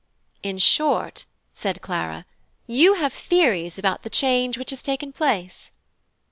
"In short," said Clara, "you have theories about the change which has taken place."